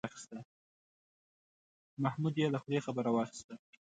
محمود یې له خولې خبره واخیسته.